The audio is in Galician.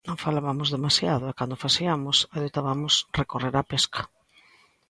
Non falabamos demasiado e, cando o faciamos, adoitabamos recorrer á pesca.